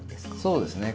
そうですね。